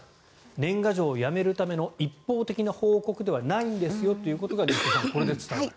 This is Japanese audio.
年賀状をやめるための一方的な報告ではないんですよということがこれで伝わる。